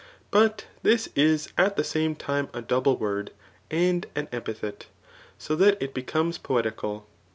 But this is at the same time a double word, ajid ^^ epithet; so chat it becomes poetical.